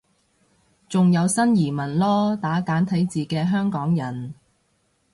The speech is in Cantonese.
仲有新移民囉，打簡體字嘅香港人